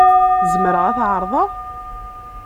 Zemreɣ ad t-ɛerḍeɣ?